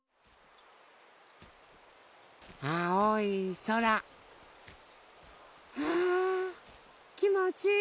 あおいそら。はきもちいいな。